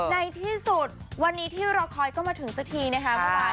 ในที่สุดวันนี้ที่เราคอยก็มาถึงสักทีนะคะ